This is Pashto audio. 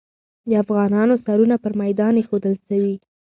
د افغانانو سرونه پر میدان ایښودل سوي.